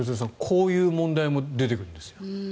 こういう問題も出てくるんです。